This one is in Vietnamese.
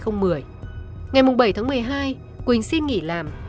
ngày bảy tháng một mươi hai quỳnh xin nghỉ làm